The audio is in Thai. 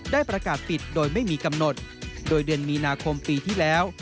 ได้ประกาศปิดโดยไม่มีกำหนดโดยเดือนมีนาคมปีที่แล้ว